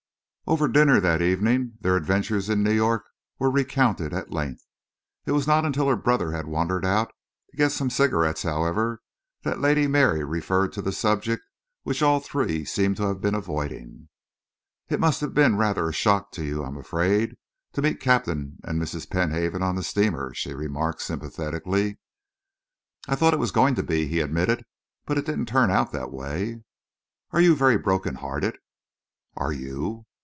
Over dinner that evening, their adventures in New York were recounted at length. It was not until her brother had wandered out to get some cigarettes, however, that Lady Mary referred to the subject which all three seemed to have been avoiding. "It must have been rather a shock to you, I am afraid, to meet Captain and Mrs. Penhaven on the steamer," she remarked sympathetically. "I thought it was going to be," he admitted. "It didn't turn out that way." "Are you very broken hearted?" "Are you?"